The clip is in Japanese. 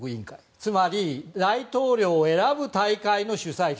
つまり大統領を選ぶ大会の主催者。